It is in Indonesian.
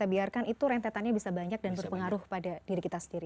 biarkan itu rentetannya bisa banyak dan berpengaruh pada diri kita sendiri